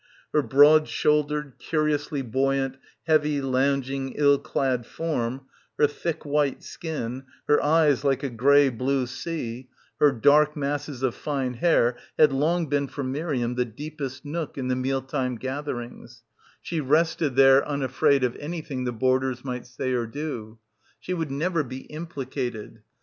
Her broad shouldered, curiously buoyant, heavy, lounging, ill clad form, her thick white skin, her eyes like a grey blue sea, her dark masses of fine hair had long been for Miriam the deepest nook in the meal time gatherings — she rested there unafraid of anything the boarders might say or do. She would never be implicated.